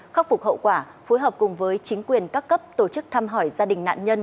khắc phục hậu quả phối hợp cùng với chính quyền các cấp tổ chức thăm hỏi gia đình nạn nhân